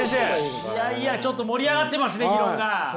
いやいやちょっと盛り上がってますね議論が！